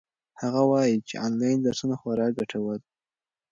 هغه وایي چې آنلاین درسونه خورا ګټور دي.